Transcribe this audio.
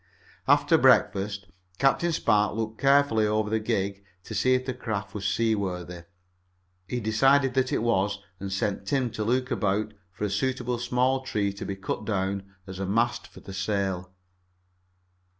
After breakfast Captain Spark looked carefully over the gig to see if the craft was seaworthy. He decided that it was, and he sent Tim to look about for a suitable small tree to be cut down as a mast for the sail.